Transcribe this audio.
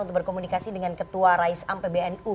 untuk berkomunikasi dengan ketua raisam pbnu